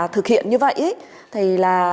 thực hiện như vậy ấy thì là